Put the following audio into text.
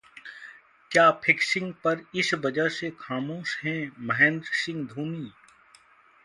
क्या फिक्सिंग पर इस वजह से खामोश हैं महेंद्र सिंह धोनी?